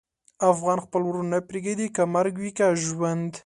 افغان خپل ورور نه پرېږدي، که مرګ وي که ژوند.